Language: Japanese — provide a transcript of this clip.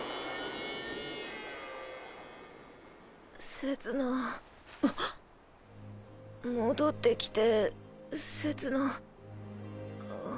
せつな戻ってきてせつな。